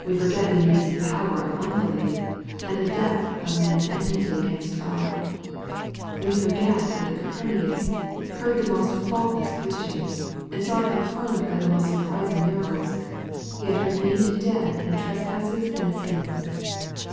We forget the amazing power of unbelief, ancbthe depth of man's enmity against God. We forget that the Capernaites heard the most faultless preaching, and saw it confirmed by the most surprising miracles, and yet remained dead in trespasses and sins.